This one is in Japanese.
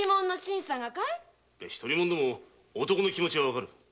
独り者でも男の気持ちは分かる。